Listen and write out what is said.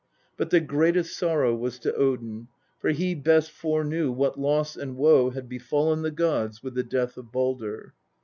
But the greatest sorrow was to Odin, for he best fore knew what loss and woe had befallen the gods with the death of Baldr.